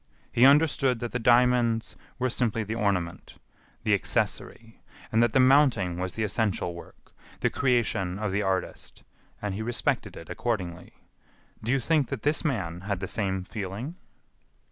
He understood that the diamonds were simply the ornament, the accessory, and that the mounting was the essential work, the creation of the artist, and he respected it accordingly. Do you think that this man had the same feeling?"